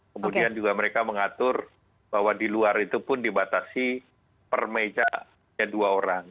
kemudian juga mereka mengatur bahwa di luar itu pun dibatasi per mejanya dua orang